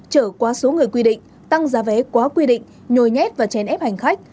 trở qua số người quy định tăng giá vé quá quy định nhồi nhét và chèn ép hành khách